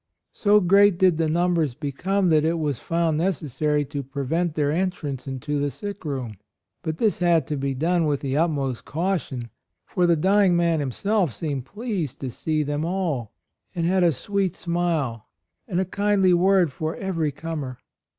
So great did the num bers become that it was fou'id necessary to prevent their en trance into the sick room. But this had to be done with the utmost caution; for the dying man himself seemed pleased to see them all, and had a sweet smile and a kindly word for every comer.